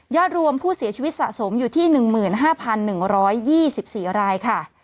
รวมผู้เสียชีวิตสะสมอยู่ที่๑๕๑๒๔รายค่ะ